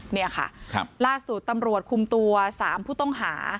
เนี่ยค่ะครับล่าสูตรตำรวจคุมตัวสามผู้ต้องหา